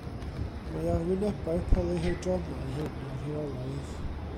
Mae arwynebau'r polyhedronau hyn yn rheolaidd.